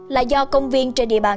là do công viên trên địa bàn